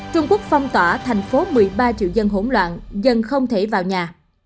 trung quốc phong tỏa thành phố một mươi ba triệu dân hỗn loạn dân không thể vào nhà